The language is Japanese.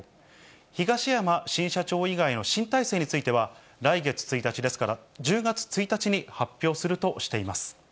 東山新社長以外の新体制については、来月１日、ですから１０月１日に発表するとしています。